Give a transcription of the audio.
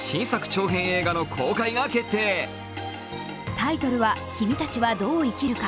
タイトルは、「君たちはどう生きるか」